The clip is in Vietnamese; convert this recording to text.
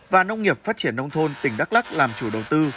và nông nghiệp phát triển nông thôn tỉnh đắk lắc làm chủ đầu tư